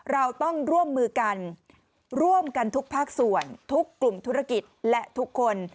เราต้องร่วมมือกันร่วมกันทุกภาคส่วนทุกกลุ่มธุรกิจและทุกคน